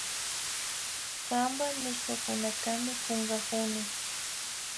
Kanpa nishkakunatami kunkakuni